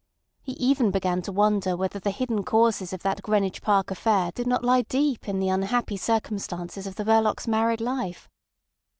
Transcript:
He even began to wonder whether the hidden causes of that Greenwich Park affair did not lie deep in the unhappy circumstances of the Verlocs' married life.